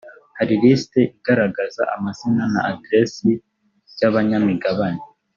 hari lisiti igaragaza amazina na aderesi by abanyamigabane